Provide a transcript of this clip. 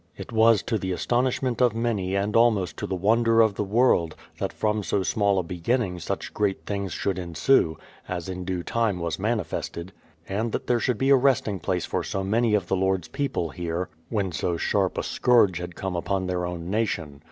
It was to the astonishment of many and almost to the wonder of the world, that from so small a beginning such great things should ensue, — as in due time was manifested ; and that there should be a resting place for so many of the Lord's people here, when so sharp a scourge had come upon their own nation.